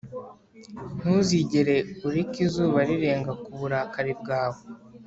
ntuzigere ureka izuba rirenga ku burakari bwawe